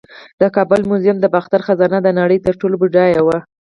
د کابل میوزیم د باختر خزانه د نړۍ تر ټولو بډایه وه